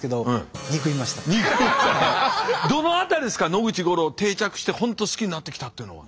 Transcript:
野口五郎定着して本当好きになってきたっていうのは。